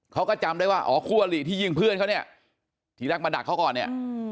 เขาก็จำได้ว่าอ๋อคู่อลิที่ยิงเพื่อนเขาเนี่ยทีแรกมาดักเขาก่อนเนี่ย